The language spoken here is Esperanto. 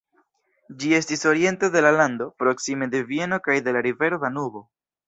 Ĝi estas oriente de la lando, proksime de Vieno kaj de la rivero Danubo.